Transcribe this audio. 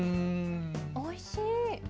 おいしい！